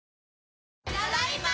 ただいま。